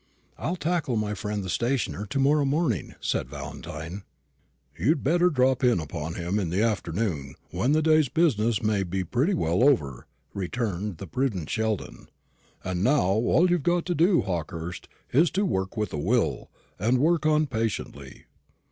"I'll tackle my friend the stationer to morrow morning," said Valentine. "You'd better drop in upon him in the afternoon, when the day's business may be pretty well over," returned the prudent Sheldon. "And now all you've got to do, Hawkehurst, is to work with a will, and work on patiently.